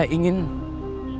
bisnis nya dibahas